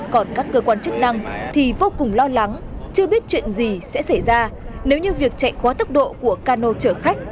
còn các cơ quan chức năng thì vô cùng lo lắng chưa biết chuyện gì sẽ xảy ra nếu như việc chạy quá tốc độ của cano chở khách